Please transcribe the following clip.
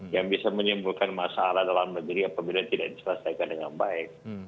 yang bisa menimbulkan masalah dalam negeri apabila tidak diselesaikan dengan baik